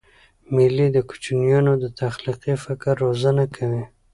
مېلې د کوچنيانو د تخلیقي فکر روزنه کوي.